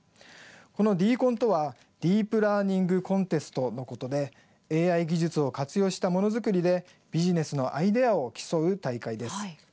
このＤＣＯＮとはディープラーニング・コンテストのことで、ＡＩ技術を活用したものづくりでビジネスのアイデアを競う大会です。